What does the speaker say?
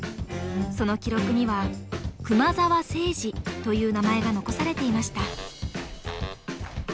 その記録には「熊澤誠司」という名前が残されていました。